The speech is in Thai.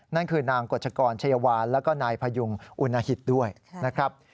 นั่นคือนางกฎชกรชัยวานแล้วก็นายพยุงอุณหิตด้วยนะครับ